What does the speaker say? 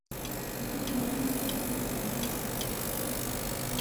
یری بون٘و نِ٘ت اونگمی کمرِنگ شوخس زیرس